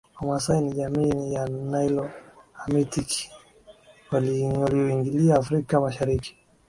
Wamasai ni jamii ya Nilo Hamitic walioingia Afrika Mashariki